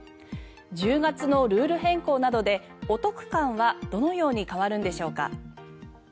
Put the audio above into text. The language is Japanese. １０月のルール変更などでお得感はどのように変わるんでしょうか？